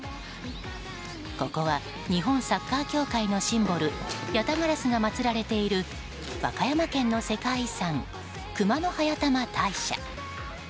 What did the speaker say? ここは日本サッカー協会のシンボルヤタガラスが祭られている和歌山県の世界遺産熊野速玉大社。